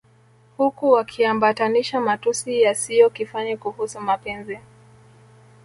huku wakiambatanisha matusi yasiyo kifani kuhusu mapenzi